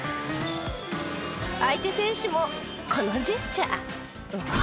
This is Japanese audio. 相手選手もこのジェスチャー。